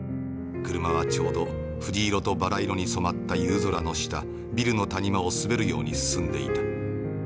車はちょうど藤色とバラ色に染まった夕空の下ビルの谷間を滑るように進んでいた。